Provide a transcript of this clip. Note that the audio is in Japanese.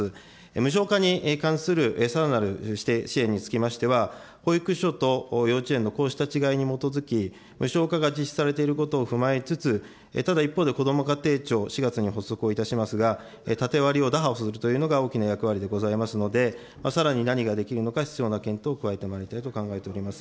無償化に関するさらなる支援につきましては、保育所と幼稚園のこうした違いに基づき、無償化が実施されることに基づいて、ただ一方で、こども家庭庁、４月に発足をいたしますが、縦割りを打破をするというのが大きな役割でございますので、さらに何ができるのか、必要な検討を加えてまいりたいと考えております。